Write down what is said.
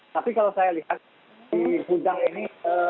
tapi kalau saya lihat di gudang ini